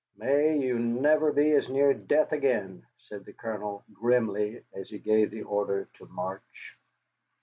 "May you never be as near death again," said the Colonel, grimly, as he gave the order to march.